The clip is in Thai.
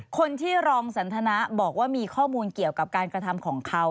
คนที่รองสันทนาบอกว่ามีข้อมูลเกี่ยวกับการกระทำของเขา